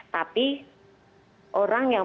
tapi orang yang